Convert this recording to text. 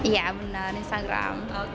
iya bener instagram